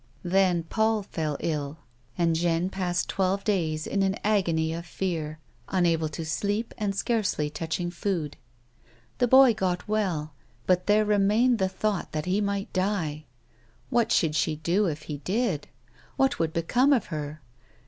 Then Paul fell ill, and Jeanne passed twelve days in an 164 A WOMAN'S LIFE. agony of fear, unable to sleep and scarcely touching food The boy got well, but there remained the thought that he might die. What should she do if he did 1 What would become of her